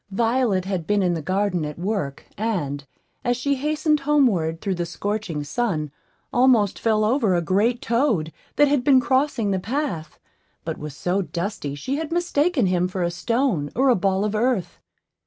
Violet had been in the garden at work, and, as she hastened homeward through the scorching sun, almost fell over a great toad, that had been crossing the path, but was so dusty she had mistaken him for a stone or a ball of earth.